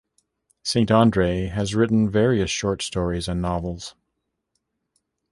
Saint Andre has written various short stories and novels.